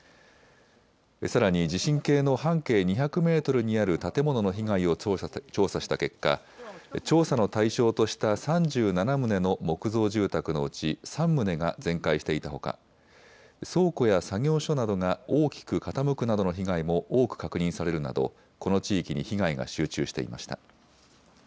さらに地震計の半径２００メートルにある建物の被害を調査した結果、調査の対象とした３７棟の木造住宅のうち３棟が全壊していたほか、倉庫や作業所などが大きく傾くなどの被害も多く確認されるなど、この地域に被害が集中していました。